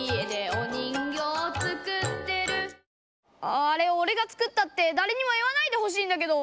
あああれおれが作ったってだれにも言わないでほしいんだけど。